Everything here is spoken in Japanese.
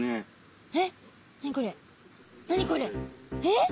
えっ！？